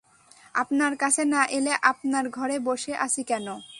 আপনার কাছে না- এলে, আপনার ঘরে বসে আছি কেন?